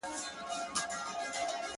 د مخ پر لمر باندي ،دي تور ښامار پېكى نه منم.